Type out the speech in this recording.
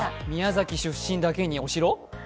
宮崎出身だけにお城？